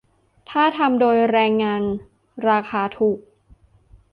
ถ้าทำโดยแรงงานราคาถูก ?